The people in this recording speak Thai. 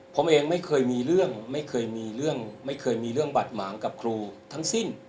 ผมเองไม่เคยมีเรื่องไม่เคยมีเรื่องไม่เคยมีเรื่องบาดหมางกับครูทั้งสิ้น